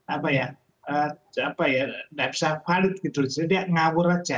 apa ya tidak bisa valid gitu jadi dia ngawur aja